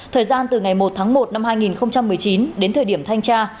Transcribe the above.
thời gian từ ngày một tháng một năm hai nghìn một mươi chín đến thời điểm thanh tra